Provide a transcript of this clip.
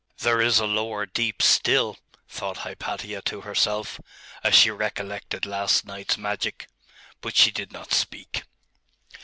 'There is a lower deep still,' thought Hypatia to herself, as she recollected last night's magic; but she did not speak.